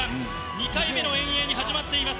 ２回目の遠泳、始まっています。